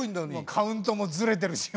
カウントもズレてるしよ。